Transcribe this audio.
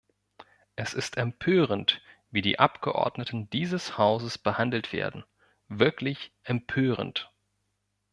Es ist empörend, wie die Abgeordneten dieses Hauses behandelt werden, wirklich empörend.